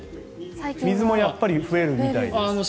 水もやっぱり増えるみたいです。